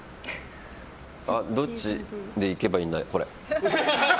どっちでいけばいいんだ、これ。